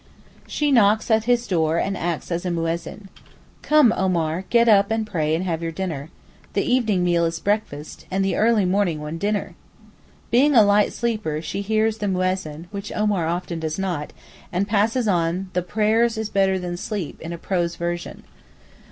She knocks at his door and acts as Muezzin. 'Come, Omar, get up and pray and have your dinner' (the evening meal is 'breakfast,' the early morning one 'dinner'). Being a light sleeper she hears the Muezzin, which Omar often does not, and passes on the 'Prayers is better than sleep' in a prose version.